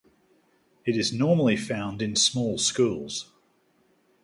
It is normally found in small schools.